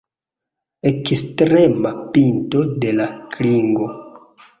Ekstrema pinto de la klingo.